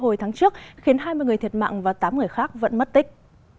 hồi tháng trước khiến hai mươi người thiệt mạng và tám người khác vẫn mất tích